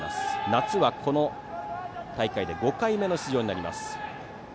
夏はこの大会で５回目の出場になります。